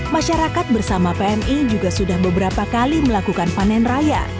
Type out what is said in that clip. masyarakat bersama pmi juga sudah beberapa kali melakukan panen raya